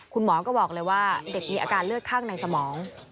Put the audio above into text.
คุณหมอก็บอกเลยว่าเด็กมีอาการเลือดข้างในสมอง